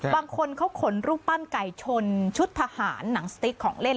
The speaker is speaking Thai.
บางคนเขาขนรูปปั้นไก่ชนชุดทหารหนังสติ๊กของเล่น